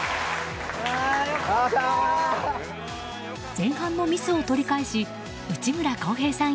前半のミスを取り返し内村航平さん